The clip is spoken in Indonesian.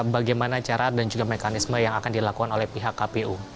bagaimana cara dan juga mekanisme yang akan dilakukan oleh pihak kpu